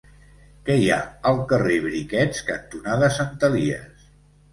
Què hi ha al carrer Briquets cantonada Sant Elies?